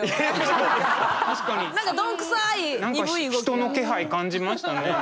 人の気配感じましたね。